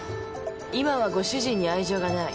今はご主人に愛情がない。